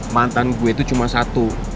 mantan gue itu cuma satu